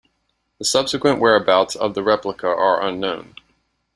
The subsequent whereabouts of the replica are unknown.